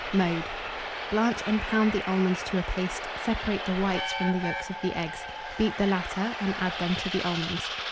Mode. Blanch and pound the almonds to a paste; separate the whites from the yolks of the eggs; beat the latter, and add them to the almonds.